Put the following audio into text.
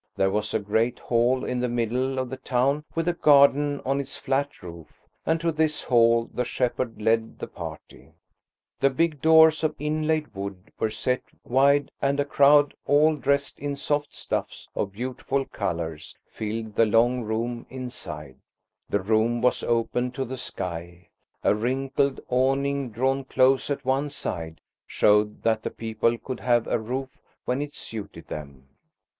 There was a great Hall in the middle of the town with a garden on its flat roof, and to this Hall the shepherd led the party. "THE HOUSES WERE MADE OF GREAT BLOCKS OF STONE." The big doors of inlaid wood were set wide and a crowd, all dressed in soft stuffs of beautiful colours, filled the long room inside. The room was open to the sky; a wrinkled awning drawn close at one side showed that the people could have a roof when it suited them.